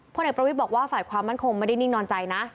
เด็กประวิทย์บอกว่าฝ่ายความมั่นคงไม่ได้นิ่งนอนใจนะ